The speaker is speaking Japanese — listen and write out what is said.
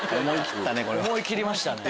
思い切りましたね。